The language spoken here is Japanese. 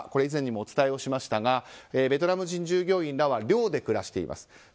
以前にもお伝えしましたがベトナム人従業員らは寮で暮らしています。